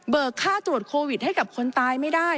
ค่าตรวจโควิดให้กับคนตายไม่ได้